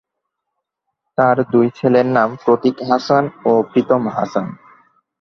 তার দুই ছেলের নাম প্রতীক হাসান ও প্রীতম হাসান।